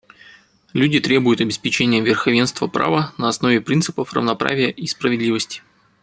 Люди требуют обеспечения верховенства права на основе принципов равноправия и справедливости.